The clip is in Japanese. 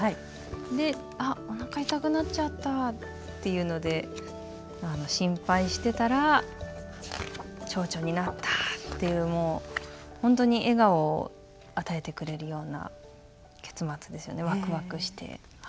で「あっおなか痛くなっちゃった」っていうので心配してたらちょうちょになったっていうもう本当に笑顔を与えてくれるような結末ですよねワクワクして。